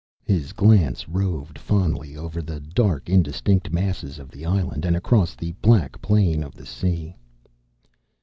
His glance roved fondly over the dark, indistinct masses of the island, and across the black plain of the sea.